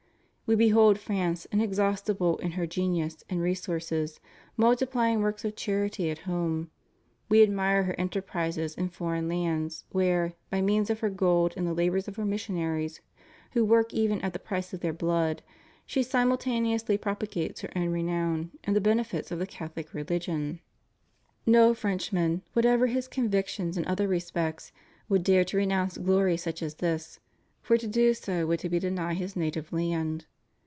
We behold France, inexhaustible in her genius and resources, multiplying works of charity at home; we admire her enterprises in foreign lands where, by means of her gold and the labors of her missionaries who work even at the price of their blood, she simultaneously prop agates her own renown and the benefits of the Catholic religion. No Frenchman, whatever his convictions in other respects, would dare to renounce glory such as this, for to do so would be to deny his native land.